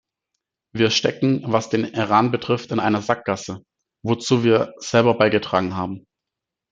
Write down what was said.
Wir stecken, was den Iran betrifft, in einer Sackgasse, wozu wir selber beigetragen haben.